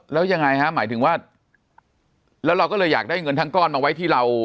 แล้วยังไงฮะหมายถึงว่าแล้วเราก็เลยอยากได้เงินทั้งก้อนมาไว้ที่เรา